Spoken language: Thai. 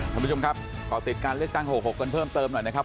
คุณผู้ชมครับต่อติดการเลขกลางหกหกกันเพิ่มเติมหน่อยนะครับ